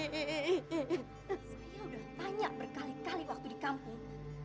hehehe saya udah tanya berkali kali waktu di kampung